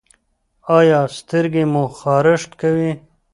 ایا سترګې مو خارښ کوي؟